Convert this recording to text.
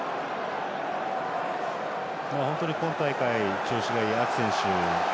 本当に今大会調子がいいアキ選手